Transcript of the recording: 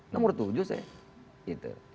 nomor tujuh saya